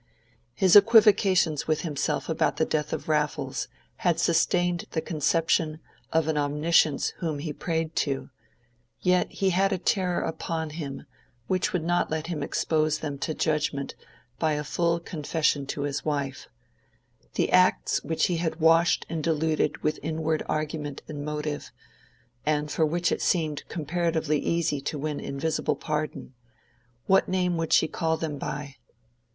His equivocations with himself about the death of Raffles had sustained the conception of an Omniscience whom he prayed to, yet he had a terror upon him which would not let him expose them to judgment by a full confession to his wife: the acts which he had washed and diluted with inward argument and motive, and for which it seemed comparatively easy to win invisible pardon—what name would she call them by?